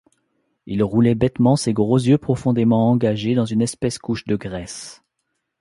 Il roulait bêtement ses gros yeux profondément engagés dans une épaisse couche de graisse.